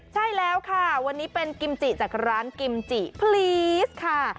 ใช่แล้วค่ะวันนี้เป็นกิมจิจากร้านกิมจิพลีสค่ะ